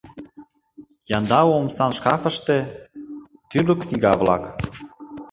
Яндау омсан шкафыште — тӱрлӧ книга-влак.